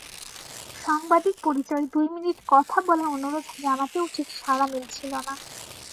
সাংবাদিক পরিচয়ে দুই মিনিট কথা বলার অনুরোধ জানাতেও ঠিক সাড়া মিলছিল না।